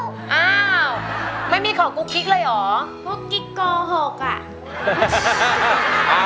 อ้าวไม่มีของกุ๊กกิ๊กเลยเหรอกุ๊กกิ๊กโกหกอ่ะ